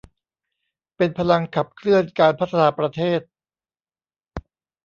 เป็นพลังขับเคลื่อนการพัฒนาประเทศ